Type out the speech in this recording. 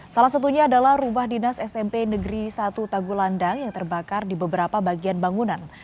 salah satunya adalah rumah dinas smp negeri satu tagulandang yang terbakar di beberapa bagian bangunan